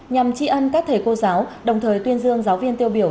nhằm tri ân các thầy cô giáo đồng thời tuyên dương giáo viên tiêu biểu